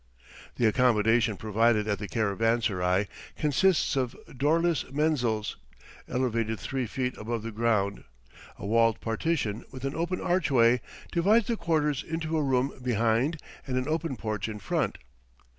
The accommodation provided at the caravanserai consists of doorless menzils, elevated three feet above the ground; a walled partition, with an open archway, divides the quarters into a room behind and an open porch in front.